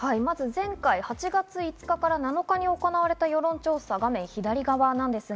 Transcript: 前回、８月５日から７日に行わた世論調査、画面左側です。